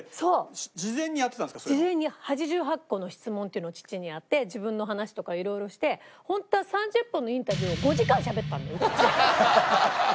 事前に８８個の質問っていうのを父にやって自分の話とか色々してホントは３０分のインタビューを５時間しゃべったんだよ。